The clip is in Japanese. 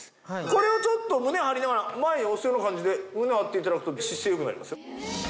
これをちょっと胸を張りながら前へ押すような感じで胸を張っていただくと姿勢良くなりますよ。